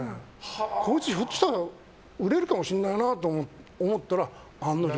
こいつ、ひょっとしたら売れるかもしれないなと思ったら案の定。